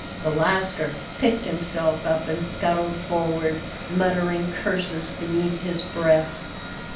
The lascar picked himself up and scuttled forward, muttering curses beneath his breath.